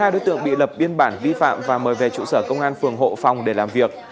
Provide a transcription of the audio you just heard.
một mươi hai đối tượng bị lập biên bản vi phạm và mời về chủ sở công an phường hộ phòng để làm việc